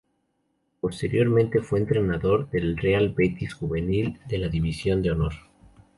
Posteriormente, fue entrenador del Real Betis Juvenil de la División de Honor.